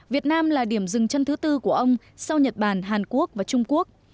việt nam là điểm dừng chân thứ tư của ông sau nhật bản hàn quốc và trung quốc